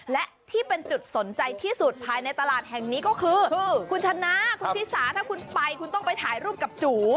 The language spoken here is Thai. และที่เป็นจุดสนใจที่สุดภายในตลาดแห่งนี้ก็คือคุณชนะคุณชิสาถ้าคุณไปคุณต้องไปถ่ายรูปกับจู